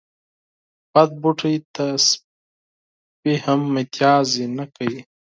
بد بوټي ته سپي هم متازې نه کوي.